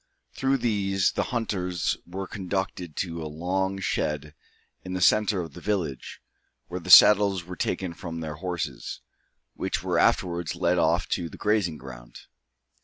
Through these the hunters were conducted to a long shed in the centre of the village, where the saddles were taken from their horses, which were afterwards led off to the grazing ground.